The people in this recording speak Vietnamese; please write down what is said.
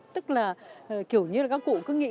tức là kiểu như là các cụ cứ nghĩ